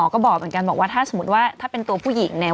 ก็บอกเหมือนกันบอกว่าถ้าสมมุติว่าถ้าเป็นตัวผู้หญิงเนี่ย